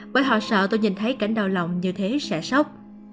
bởi họ sợ tôi nhìn thấy cảnh đau lòng như thế sẽ sốc